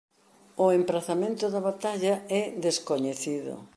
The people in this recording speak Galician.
O emprazamento da batalla é descoñecido.